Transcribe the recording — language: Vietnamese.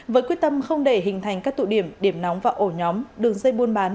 với quyết tâm không để hình thành các tụ điểm điểm nóng và ổ nhóm đường dây buôn bán